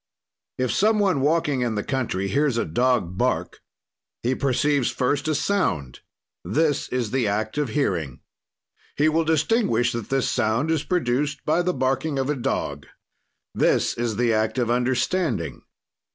"If some one walking in the country hears a dog bark he perceives first a sound: this is the act of hearing. "He will distinguish that this sound is produced by the barking of a dog; this is the act of understanding.